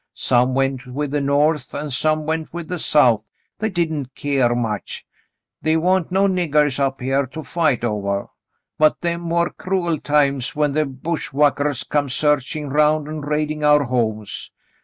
Some went with the North and some went with the South, — they didn't keer much. The' wa'n't no niggahs up here to fight ovah. But them war cruel times when the bushwackers come searchin' 'round an* raidin' our homes.